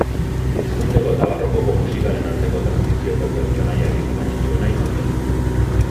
Pizkundeko eta barrokoko musikaren arteko trantsizioko pertsonaiarik garrantzitsuena izan zen.